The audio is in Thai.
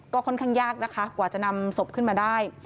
ก็ค่อนข้างยากนะคะกว่าจะนำศพขึ้นมาได้